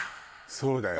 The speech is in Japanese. そうだよ。